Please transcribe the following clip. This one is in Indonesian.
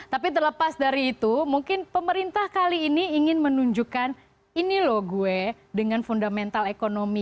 tapi terlepas dari itu mungkin pemerintah kali ini ingin menunjukkan ini loh gue dengan fundamental ekonomi